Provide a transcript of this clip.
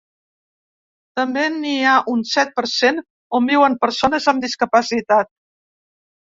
També n’hi ha un set per cent on viuen persones amb discapacitat.